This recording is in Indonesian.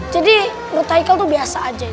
jadi menurut haikal itu biasa aja ya